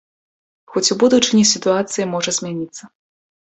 Хоць у будучыні сітуацыя можа змяніцца.